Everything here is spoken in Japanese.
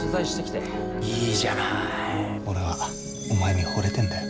俺はお前にほれてんだよ。